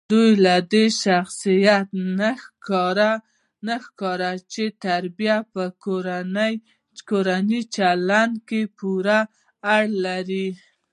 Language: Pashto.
دده له شخصیت نه ښکاري چې تربیه په کورني چلند پورې اړه لري.